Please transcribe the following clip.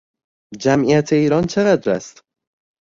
جمعیت ایران چقدر است؟